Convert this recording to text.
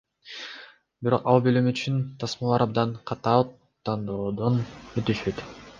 Бирок ал бөлүм үчүн тасмалар абдан катаал тандоодон өтүшөт.